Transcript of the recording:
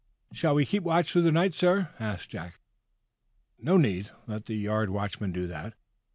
"Shall we keep watch through the night, sir?" asked Jack. "No need. Let the yard watchman do that.